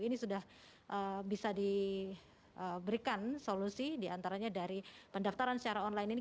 ini sudah bisa diberikan solusi diantaranya dari pendaftaran secara online ini